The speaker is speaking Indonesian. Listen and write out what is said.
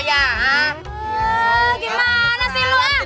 gimana sih lu ah